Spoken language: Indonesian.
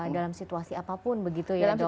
dalam situasi apapun begitu ya dok ya